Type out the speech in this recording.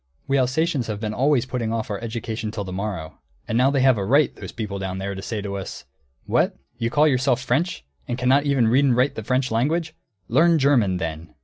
We Alsatians have been always putting off our education till the morrow; and now they have a right, those people down there, to say to us, 'What! You call yourselves French, and cannot even read and write the French language? Learn German, then!'"